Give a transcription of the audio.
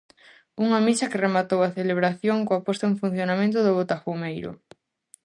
Unha misa que rematou a celebración coa posta en funcionamento do botafumeiro.